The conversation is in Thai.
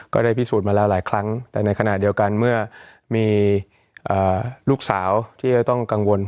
ก็ได้พิสูจน์มาแล้วหลายครั้งแต่ในขณะเดียวกันเมื่อมีลูกสาวที่จะต้องกังวล